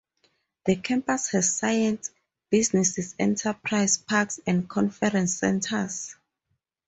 The campus has science, business enterprise parks and conference centres.